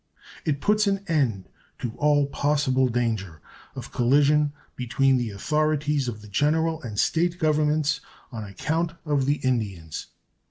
It puts an end to all possible danger of collision between the authorities of the General and State Governments on account of the Indians.